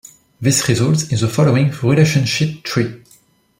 This results in the following relationship tree.